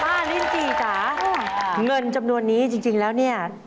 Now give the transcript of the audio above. ลิ้นจี่จ๋าเงินจำนวนนี้จริงแล้วเนี่ย